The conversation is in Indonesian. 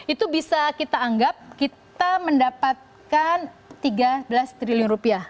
itu bisa kita anggap kita mendapatkan tiga belas triliun rupiah